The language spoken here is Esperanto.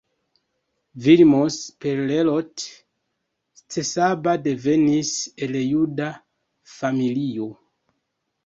Vilmos Perlrott-Csaba devenis el juda familio.